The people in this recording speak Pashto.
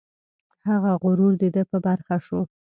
هغه غرور د ده په برخه شو.